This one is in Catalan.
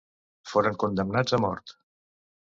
Foren condemnats a mort.